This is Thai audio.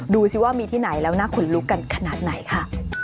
ดูสิว่ามีที่ไหนแล้วน่าขนลุกกันขนาดไหนค่ะ